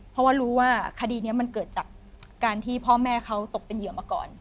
เพราะว่ารู้ว่าคดีนี้มันเกิดจากการที่พ่อแม่เขาตกเป็นเหยื่อมาก่อน